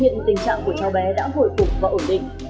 hiện tình trạng của cháu bé đã hồi phục và ổn định